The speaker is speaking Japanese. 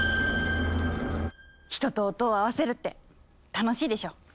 人と音を合わせるって楽しいでしょ。